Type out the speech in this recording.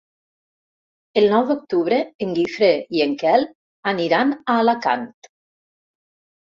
El nou d'octubre en Guifré i en Quel aniran a Alacant.